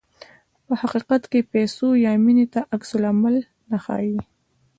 په حقیقت کې پیسو یا مینې ته عکس العمل نه ښيي.